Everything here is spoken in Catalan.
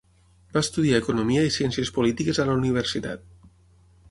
Va estudiar Economia i Ciències Polítiques a la universitat.